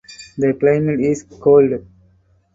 The climate is cold.